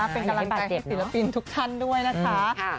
เป็นกำลังใจให้ศิลปินทุกท่านด้วยนะคะ